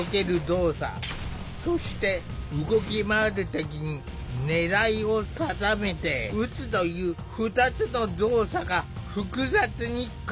そして動き回る敵に狙いを定めて撃つという２つの動作が複雑に組み合わされている。